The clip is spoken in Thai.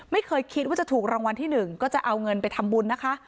ไม่เคยคิดว่าจะถูกรางวัลที่หนึ่งก็จะเอาเงินไปทำบุญนะคะ